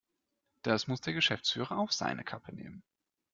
Das muss der Geschäftsführer auf seine Kappe nehmen.